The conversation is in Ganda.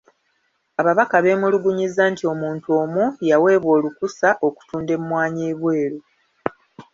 Ababaka beemulugunyizza nti omuntu omu y'aweebwa olukusa okutunda emmwanyi ebweru .